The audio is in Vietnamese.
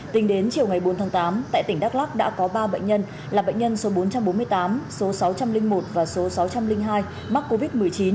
tính đến chiều ngày bốn tháng tám tại tỉnh đắk lắc đã có ba bệnh nhân là bệnh nhân số bốn trăm bốn mươi tám số sáu trăm linh một và số sáu trăm linh hai mắc covid một mươi chín